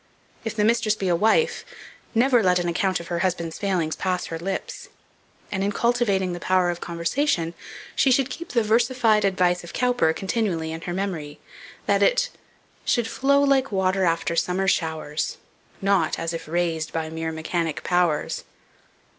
If the mistress be a wife, never let an account of her husband's failings pass her lips; and in cultivating the power of conversation, she should keep the versified advice of Cowper continually in her memory, that it "Should flow like water after summer showers, Not as if raised by mere mechanic powers."